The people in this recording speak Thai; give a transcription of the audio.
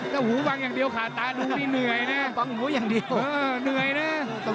ถ้าหูฟังอย่างเดียวขาดตาดูนี่เหนื่อยนะฟังหูอย่างเดียวเหนื่อยนะ